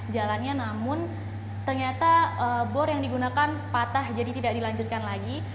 jalannya namun ternyata bor yang digunakan patah jadi tidak dilanjutkan lagi